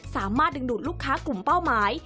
สามารถดึงดูดลูกค้ากลุ่มเป้าหมาย